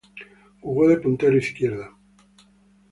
Jugó de puntero izquierdo.